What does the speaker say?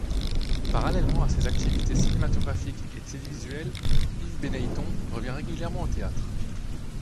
Parallèlement à ses activités cinématographiques et télévisuelles, Yves Beneyton revient régulièrement au théâtre.